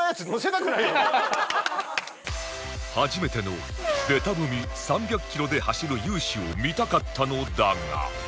初めてのベタ踏み３００キロで走る雄姿を見たかったのだが